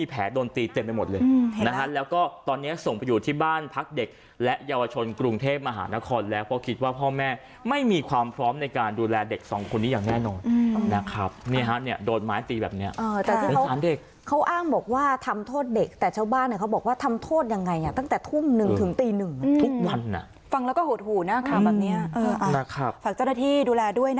พรรคเด็กและเยาวชนกรุงเทพมหานครแล้วเพราะคิดว่าพ่อแม่ไม่มีความพร้อมในการดูแลเด็กสองคนนี้อย่างแน่นอนอืมนะครับเนี้ยฮะเนี้ยโดดไม้ตีแบบเนี้ยเอ่อแต่ที่เขาเขาอ้างบอกว่าทำโทษเด็กแต่ชาวบ้านเนี้ยเขาบอกว่าทำโทษยังไงอ่ะตั้งแต่ทุ่มหนึ่งถึงตีหนึ่งอ่ะทุกวันอ่ะฟังแล้วก็หู